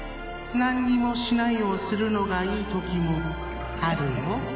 「何にもしない」をするのがいい時もあるよ。